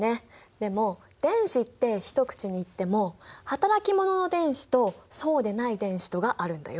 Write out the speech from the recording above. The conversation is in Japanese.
でも電子って一口に言っても働き者の電子とそうでない電子とがあるんだよ。